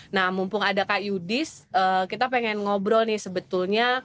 nah mumpung ada kak yudis kita pengen ngobrol nih sebetulnya